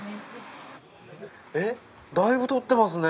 えっだいぶ取ってますね。